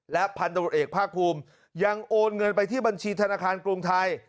และพันธุรกิจเอกภาคภูมิยังโอนเงินไปที่บัญชีธนาคารกรุงไทย